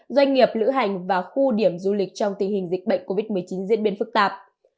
doanh nghiệp lữ hành và khu điểm du lịch trong tình hình dịch bệnh covid một mươi chín diễn biến phức tạp